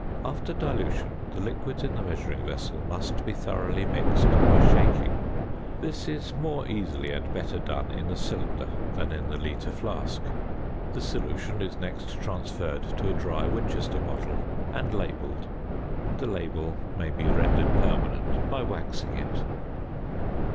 After dilution, the liquids in the measuring vessel must be thoroughly mixed by shaking. This is more easily and better done in the cylinder than in the litre flask. The solution is next transferred to a dry "Winchester" bottle and labelled. The label may be rendered permanent by waxing it.